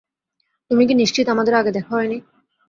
তুমি কি নিশ্চিত আমাদের আগে দেখা হয়নি?